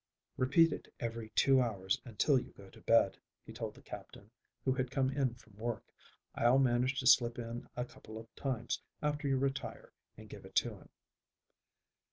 "Repeat it every two hours until you go to bed," he told the Captain, who had come in from work. "I'll manage to slip in a couple of times after you retire and give it to him."